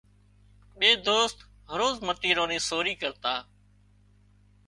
ٻي دوست هروز متيران ني سوري ڪرتا